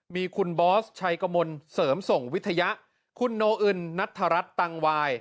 มีคุณบอสชัยกมลเสริมส่งวิทยาคุณโนอึนนัทธรัฐตังวาย